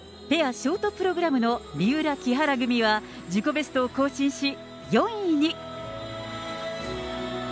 ペアショートプログラムの三浦・木原組は自己ベストを更新し、４位に。